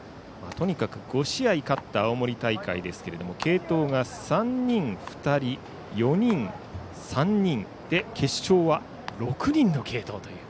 とにかく５試合勝った青森大会ですが継投が３人、２人、４人、３人で決勝は、６人の継投という。